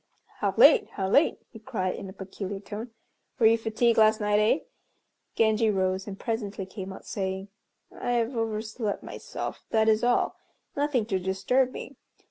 "How late, how late!" he cried, in a peculiar tone. "Were you fatigued last night, eh?" Genji rose and presently came out, saying, "I have overslept myself, that is all; nothing to disturb me.